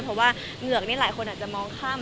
เพราะว่าเหงือกนี่หลายคนอาจจะมองข้าม